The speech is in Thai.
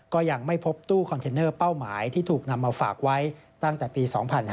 ก็ยังไม่พบตู้คอนเทนเนอร์เป้าหมายที่ถูกนำมาฝากไว้ตั้งแต่ปี๒๕๕๙